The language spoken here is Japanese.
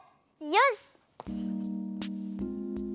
よし！